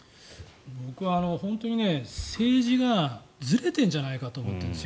僕は本当に政治がずれているんじゃないかと思っているんですよ。